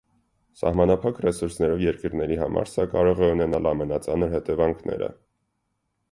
Սահմանափակ ռեսուրսներով երկրների համար սա կարող է ունենալ ամենածանր հետևանքները։